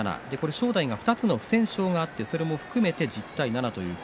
正代は２つの不戦勝があってそれを含めて１０対７。